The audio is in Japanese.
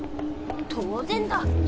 当然だ！